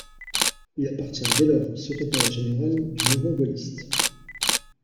Il appartient dès lors au secrétariat général du mouvement gaulliste.